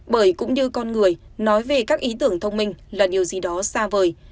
bởi cũng như con người nói về các ý tưởng thông minh là điều gì đó xa vời